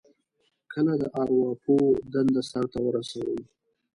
کله د ارواپوه دنده سرته رسوم.